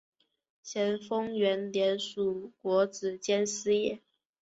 咸丰元年署国子监司业。